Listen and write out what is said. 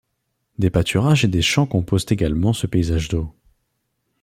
Des pâturages et des champs composent également ce paysage d'eau.